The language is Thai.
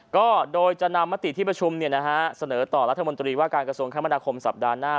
ก็โดยจะนำมติที่ประชุมเสนอต่อรัฐมนตรีว่าการกระทรวงคมนาคมสัปดาห์หน้า